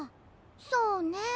そうね。